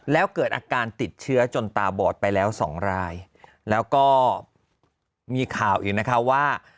แล้วเกิดอาการติดเชื้อจนตาบอดไปแล้วสองรายแล้วก็มีข่าวอีกนะคะว่า